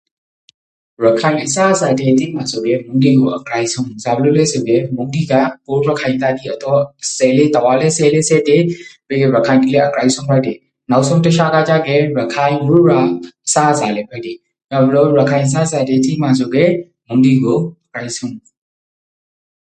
ရခိုင်အစားအစာတိထဲမှာဆိုကေမုန့်တီကိုအကြိုက်ဆုံး။ဇာဖြစ်လို့လဲဆိုကေမုန့်တီကကိုယ့်ရခိုင်သားတိအတွက်အစပ်လည်းတဝလည်းစပ်လည်းစပ်တေ၊အဗြီးကေရခိုင်တိကအကြိုက်ဆုံးဖြစ်တေ။နောက်ဆုံးတချက်ကဖြစ်ကေ၊ရခိုင်ရိုးရာအစားအစာလည်းဖြစ်တေ။ယင်းကြောင့်ရခိုင်အစားအစာတိထဲမှာဆိုကေမုန့်တီကိုအကြိုက်ဆုံး။